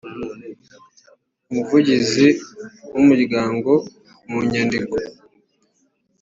umuvugizi w umuryango mu nyandiko